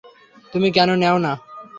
তুমি কেন নেও না?